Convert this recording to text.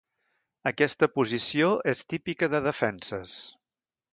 Aquesta posició és típica de defenses.